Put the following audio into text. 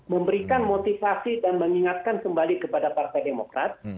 memberikan motivasi dan mengingatkan kembali kepada partai demokrat